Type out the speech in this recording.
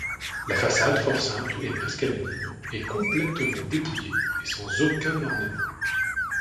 La façade fort simple et presque anonyme est complètement dépouillée et sans aucun ornement.